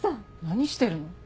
何してるの？